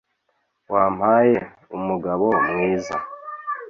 wampaye umugabo mwiza,